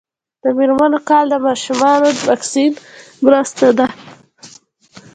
د میرمنو کار د ماشومانو واکسین مرسته ده.